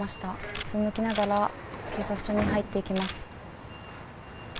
うつむきながら警察署に入っていきます。